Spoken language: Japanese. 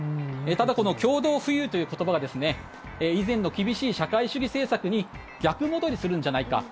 ただ、この共同富裕という言葉が以前の厳しい社会主義政策に逆戻りするんじゃないか。